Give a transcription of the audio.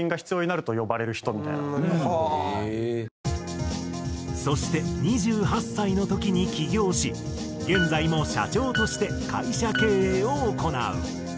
なのでまあなんかそして２８歳の時に起業し現在も社長として会社経営を行う。